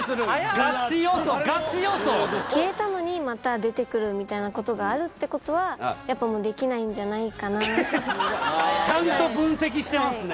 ガチ予想ガチ予想消えたのにまた出てくるみたいなことがあるってことはやっぱもうできないんじゃないかなってすごいちゃんと分析してますね